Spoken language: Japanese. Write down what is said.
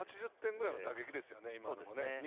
８０点ぐらいですよね。